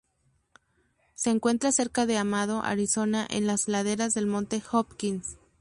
Se encuentra cerca de Amado, Arizona, en las laderas del Monte Hopkins.